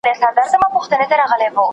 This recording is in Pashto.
علم تر هر څه وړاندې دی.